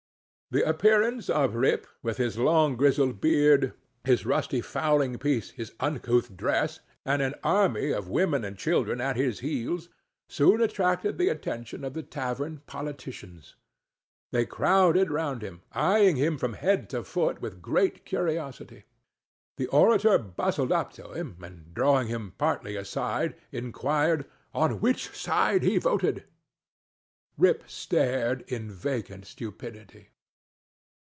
The appearance of Rip, with his long grizzled beard, his rusty fowling piece, his uncouth dress, and an army of women and children at his heels, soon attracted the atten[Pg 15]tion of the tavern politicians. They crowded round him, eying him from head to foot with great curiosity. The orator bustled up to him, and, drawing him partly aside, inquired "on which side he voted?" Rip stared in vacant stupidity.